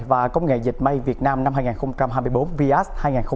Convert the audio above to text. và công nghệ dịch may việt nam năm hai nghìn hai mươi bốn vx hai nghìn hai mươi bốn